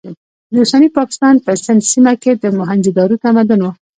د اوسني پاکستان په سند سیمه کې د موهنجو دارو تمدن و.